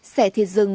xẻ thịt rừng